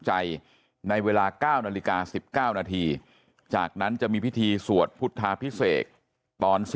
ในเวลา๙นาฬิกา๑๙นาทีจากนั้นจะมีพิธีสวดพุทธาพิเศษตอน